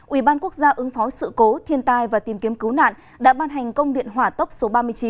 ủy ban quốc gia ứng phó sự cố thiên tai và tìm kiếm cứu nạn đã ban hành công điện hỏa tốc số ba mươi chín